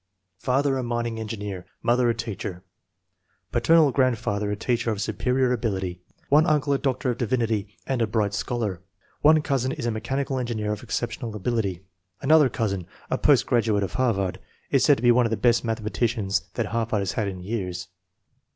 Father a mining engineer, mother a teacher. Pa ternal grandfather a teacher of superior ability. One uncle a doctor of divinity and " a bright scholar." One cousin is a "mechanical engineer of exceptional abil ity." Another cousin, a post graduate of Harvard, is said to be one of the best mathematicians that Harv ard has had in years.